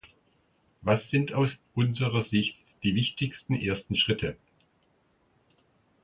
Was sind aus unserer Sicht die wichtigsten ersten Schritte?